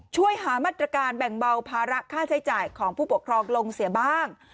ช่วยหามาตรการแบ่งเบาภาระค่าใช้จ่ายของผู้ปกครองลงเสียบ้าง